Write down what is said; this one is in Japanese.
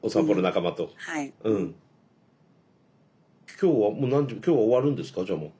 今日はもう何時今日は終わるんですかじゃあもう。